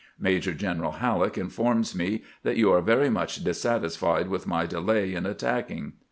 Major general HaUeck informs me that you are very much dissatisfied with my delay in attack ing.